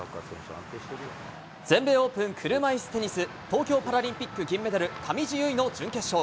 全米オープン車いすテニス、東京パラリンピック金メダル、上地結衣の準決勝。